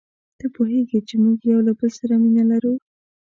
ته پوهیږې چي موږ یو له بل سره مینه لرو.